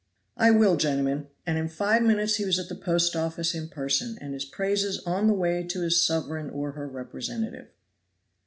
"I will, gentlemen;" and in five minutes he was at the post office in person, and his praises on the way to his sovereign or her representative.